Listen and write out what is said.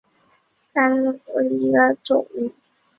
甘蔗绵蚜为扁蚜科粉角扁蚜属下的一个种。